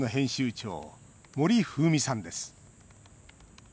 長森風美さんです。